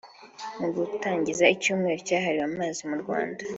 Mu gutangiza icyumweru cyahariwe amazi mu Rwanda